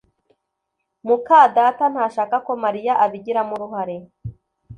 muka data ntashaka ko Mariya abigiramo uruhare